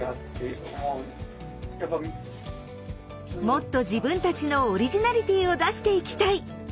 もっと自分たちのオリジナリティーを出していきたい！